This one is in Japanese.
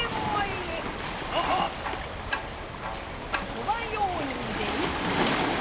側用人で西権兵衛。